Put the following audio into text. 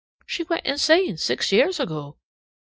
She went insane six years ago.